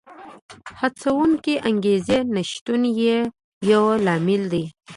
د هڅوونکو انګېزو نشتون یې یو لامل دی